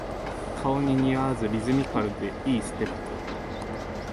顔に似合わずリズミカルで良いステップ